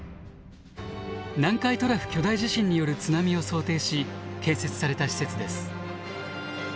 南海トラフ巨大地震による津波を想定し建設された施設です。